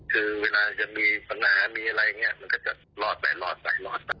คือเวลาจะมีปัญหามีอะไรอย่างนี้มันก็จะรอดไปรอดไปรอดไป